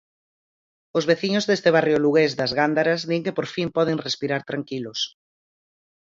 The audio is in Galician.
Os veciños deste barrio lugués das Gándaras din que por fin poden respirar tranquilos.